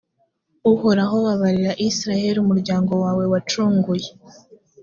uhoraho, babarira israheli umuryango wawe wacunguye,